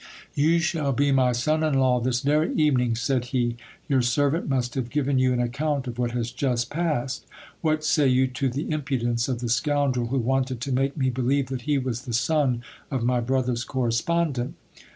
You shall be my son in law this very evening, said he. Your servant must have given you an account of what has just passed. What say you to the im pudence of the scoundrel who wanted to make me believe that he was the son of my brother's correspondent